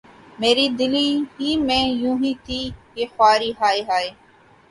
میری‘ دلی ہی میں ہونی تھی یہ خواری‘ ہائے ہائے!